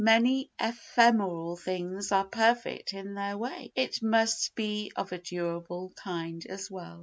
Many ephemeral things are perfect in their way. It must be of a durable kind as well.